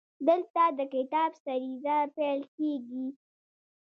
دلته د کتاب سریزه پیل کیږي.